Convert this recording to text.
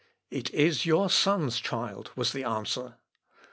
"It is your son's child," was the answer.